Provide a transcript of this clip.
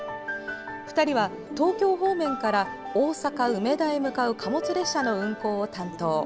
２人は、東京方面から大阪・梅田へ向かう貨物列車の運行を担当。